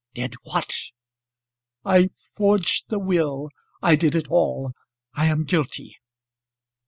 "Did what?" "I forged the will. I did it all. I am guilty."